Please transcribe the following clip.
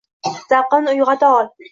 Zavqimni uyg’ota ol!